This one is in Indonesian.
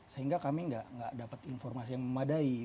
sehingga kami tidak dapat informasi yang memadai